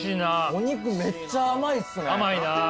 お肉めっちゃ甘いっすね。